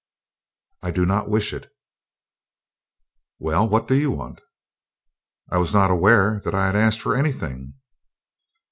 "I do not wish it." "Well, what do you want?" "I was not aware that I had asked for anything."